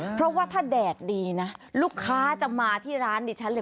เพราะว่าถ้าแดดดีนะลูกค้าจะมาที่ร้านดิฉันเลย